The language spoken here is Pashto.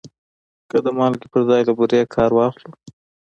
که د مالګې پر ځای له بورې کار واخلو؟